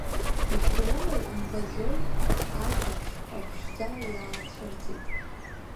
Ихәлома, бымбаӡои, ашәаԥшь ҟаԥшьӡа иаацәырҵит…